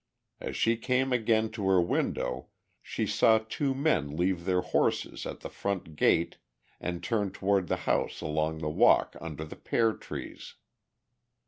As she came again to her window, she saw two men leave their horses at the front gate and turn toward the house along the walk under the pear trees.